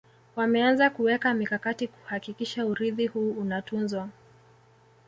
wameanza kuweka mikakati kuhakikisha urithi huu unatunzwa